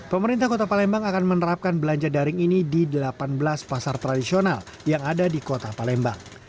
pemerintah kota palembang akan menerapkan belanja daring ini di delapan belas pasar tradisional yang ada di kota palembang